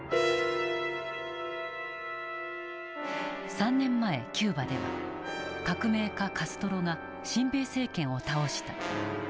３年前キューバでは革命家カストロが親米政権を倒した。